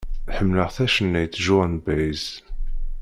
Ḥemleɣ tacennayt Joan Baez.